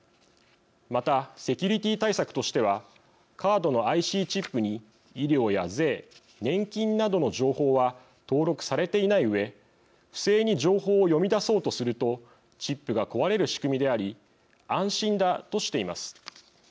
またセキュリティー対策としてはカードのＩＣチップに医療や税、年金などの情報は登録されていないうえ不正に情報を読み出そうとするとチップが壊れる仕組みであり安心だとしています。